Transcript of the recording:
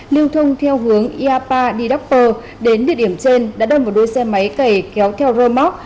lưu thông theo hướng iapa đi đắc pơ đến địa điểm trên đã đâm vào đôi xe máy cày kéo theo rơ móc